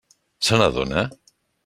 Se n'adona?